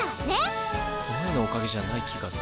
この絵のおかげじゃない気がするけど。